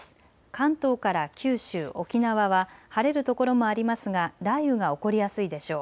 関東から九州、沖縄は晴れる所もありますが雷雨が起こりやすいでしょう。